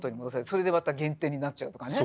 それでまた減点になっちゃうとかね。